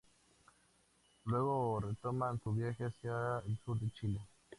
Luego retoman su viaje hacia el sur de Chile.